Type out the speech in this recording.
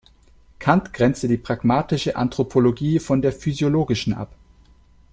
Kant grenzt die pragmatische Anthropologie von der physiologischen ab.